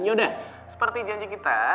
yaudah seperti janji kita